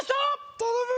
頼む！